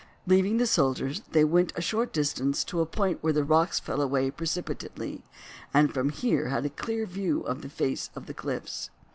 Leaving the soldiers they went a short distance to a point where the rocks fell away precipitately, and from here had a clear view of the face of the cliffs.